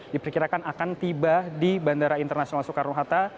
diperkirakan akan tiba di bandara internasional soekarno hatta